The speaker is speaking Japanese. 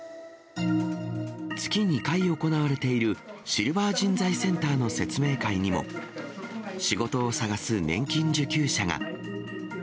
月２回行われている、シルバー人材センターの説明会にも、仕事を探す年金受給者が。